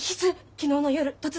昨日の夜突然。